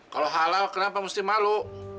kalau halal kenapa mesti malu